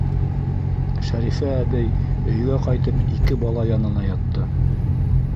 Шәрифә әбей, өйгә ҡайтып, ике бала янына ятты.